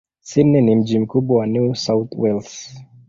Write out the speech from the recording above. Sydney ni mji mkubwa wa New South Wales.